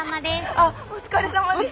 あっお疲れさまです。